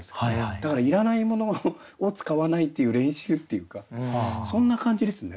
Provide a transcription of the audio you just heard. だからいらないものを使わないっていう練習っていうかそんな感じですね。